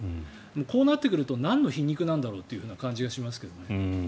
こうなってくるとなんの皮肉なんだろうという感じがしますけどね。